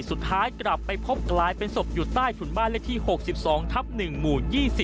สุดท้ายกลับไปพบกลายเป็นศพอยู่ใต้ถุนบ้านเลขที่๖๒ทับ๑หมู่๒๐